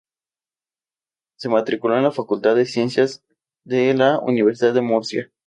Se matriculó en la Facultad de Ciencias de la Universidad de Murcia.